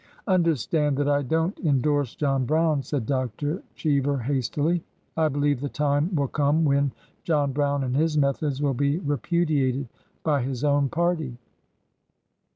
Understand that I don't indorse John Brown," said Dr. Cheever, hastily. " I believe the time will come when John Brown and his methods will be repudiated by his own party."